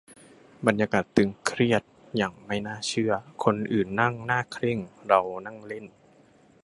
บรรยากาศตึงเครียดอย่างไม่น่าเชื่อ คนอื่นนั่งหน้าเคร่ง เรานั่งเล่น